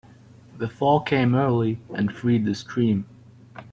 The thaw came early and freed the stream.